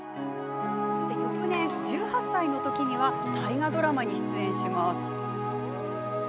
そして翌年、１８歳の時には大河ドラマに出演します。